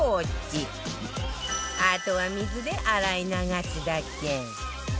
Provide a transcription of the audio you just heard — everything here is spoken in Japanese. あとは水で洗い流すだけ